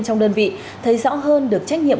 trong đơn vị thấy rõ hơn được trách nhiệm